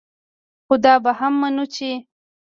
خو دا به هم منو چې